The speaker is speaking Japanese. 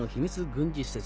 軍事施設。